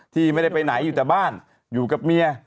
ที่ไม่ได้ไปไหนอยู่แต่บ้านอยู่กับเมีย